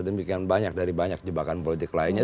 demikian banyak dari banyak jebakan politik lainnya